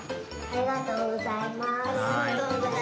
ありがとうございます。